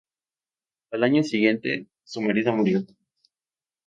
Al año siguiente, su marido murió.